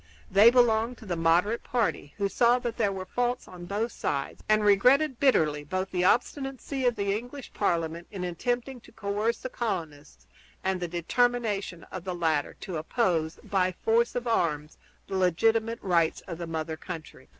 They belonged to the moderate party, who saw that there were faults on both sides and regretted bitterly both the obstinacy of the English Parliament in attempting to coerce the colonists and the determination of the latter to oppose, by force of arms, the legitimate rights of the mother country.